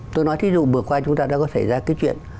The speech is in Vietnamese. tôi nói thí dụ vừa qua chúng ta đã có xảy ra cái chuyện